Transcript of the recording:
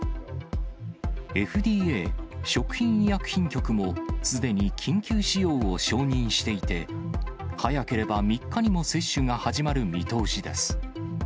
ＦＤＡ・食品医薬品局も、すでに緊急使用を承認していて、早ければ３日にも接種が始まる見通しです。